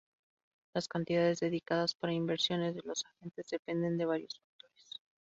Las cantidades dedicadas para inversiones de los agentes dependen de varios factores.